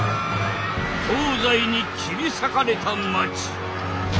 東西に切り裂かれた町。